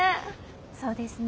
そうですね。